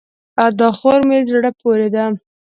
دا خور مې زړه پورې ده.